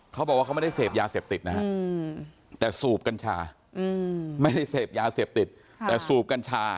เขาบอกว่าเขาไม่ได้เสพยาเสพติดนะครับแต่สูบกันชา